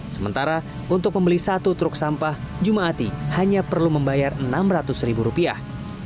sementara untuk membeli satu truk sampah jum'ati hanya perlu membayar enam ratus ribu rupiah